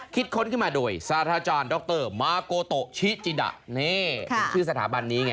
ค้นขึ้นมาโดยสาธาจารย์ดรมาโกโตชิจิดะนี่เป็นชื่อสถาบันนี้ไง